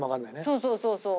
そうそうそうそう。